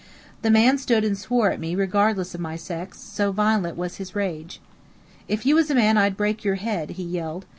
The man stood and swore at me regardless of my sex, so violent was his rage. "If you was a man I'd break your head," he yelled.